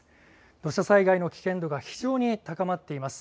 土砂災害の危険度が非常に高まっています。